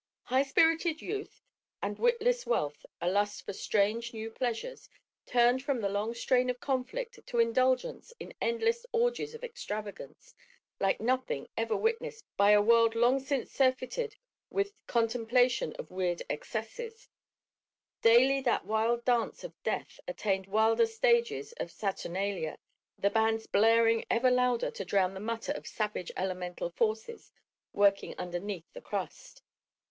High spirited youth and witless wealth a lust for strange new pleasures turned from the long strain of conflict to indulgence in endless orgies of extravagance like nothing ever witnessed by a world long since surfeited with contemplation of weird excesses: daily that wild dance of death attained wilder stages of saturnalia, the bands blaring ever louder to drown the mutter of savage elemental forces working underneath the crust.